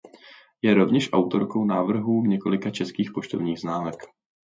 Je rovněž autorkou návrhů několika českých poštovních známek.